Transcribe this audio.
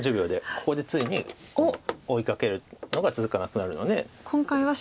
ここでついに追いかけるのが続かなくなるので今回は白がよかった。